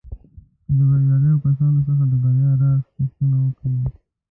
که د برياليو کسانو څخه د بريا راز پوښتنه وکړئ.